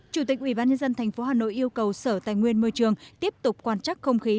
chủ tịch ubnd tp hà nội yêu cầu sở tài nguyên môi trường tiếp tục quan trắc không khí